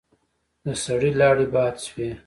د سړي لاړې باد شوې.